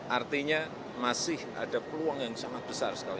artinya masih ada peluang yang sangat besar sekali